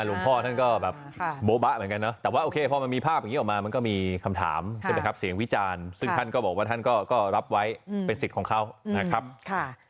แล้วก็สังคมที่ตีแพ้ไปเพราะว่าสังคมนี้อ่าจามรักของคุณศัตริย์แล้วอ่า